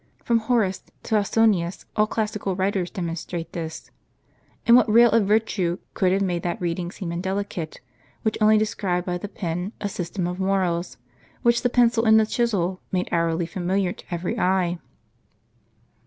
From Horace to Ausonius, all classical writers demonstrate * Matt. xii. 11. this. And what rale of virtue could have made that reading seem indelicate, which only described by the pen a system of morals, which the pencil and the chisel made hourly familiar to every eye